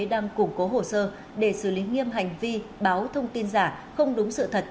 đang củng cố hồ sơ để xử lý nghiêm hành vi báo thông tin giả không đúng sự thật